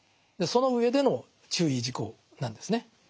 その上での注意事項なんですね。